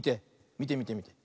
みてみてみて。